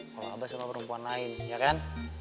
kalau abah sama perempuan lain ya kan